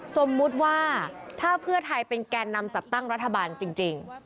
สมมุติว่าถ้าเพื่อไทยเป็นแก่นำจัดตั้งรัฐบาลจริง